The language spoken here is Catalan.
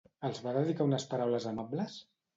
Els va dedicar unes paraules amables?